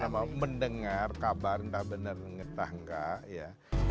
mendengar kabar enggak bener bener ngerti enggak ya